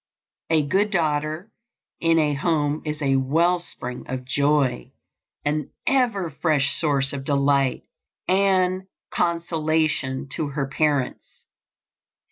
A good daughter in a home is a well spring of joy, an ever fresh source of delight and consolation to her parents.